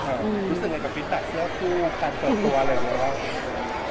อืมรู้สึกยังไงกับฟินตัดเสื้อคู่การเปิดตัวอะไรอย่างเงี้ยค่ะ